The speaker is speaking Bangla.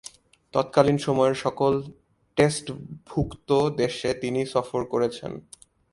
তৎকালীন সময়ের সকল টেস্টভূক্ত দেশে তিনি সফর করেছেন।